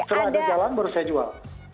setelah ada jalan baru saya jual